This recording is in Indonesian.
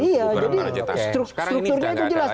iya jadi strukturnya itu jelas